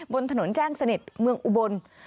บนถนนแจ้งสนิทเมืองอุบล